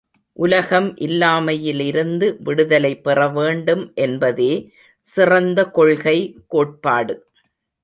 உலகம் இல்லாமையிலிருந்து விடுதலை பெற வேண்டும் என்பதே சிறந்த கொள்கை கோட்பாடு.